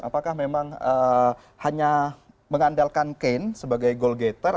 apakah memang hanya mengandalkan kane sebagai goal getter